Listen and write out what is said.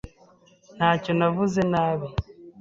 Ntacyo navuze nabi.